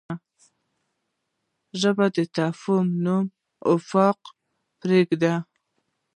ژبه د تفاهم نوی افق پرانیزي